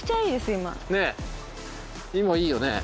今いいよね。